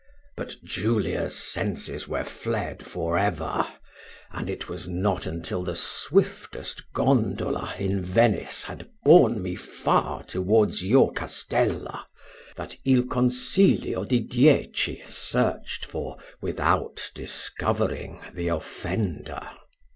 But Julia's senses were fled for ever; and it was not until the swiftest gondola in Venice had borne me far towards your castella, that il consiglio di dieci searched for, without discovering the offender.